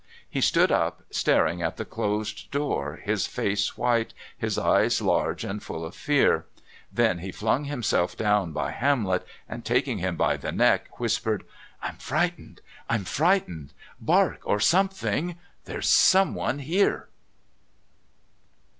He stood up, staring at the closed door, his face white, his eyes large and full of fear. Then he flung himself down by Hamlet and, taking him by the neck, whispered: "I'm frightened! I'm frightened! Bark or something!... There's someone here!"